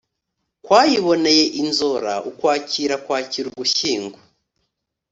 kwayiboneye inzora Ukwakira kwakira Ugushyingo